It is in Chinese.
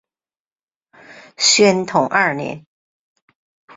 宣统二年。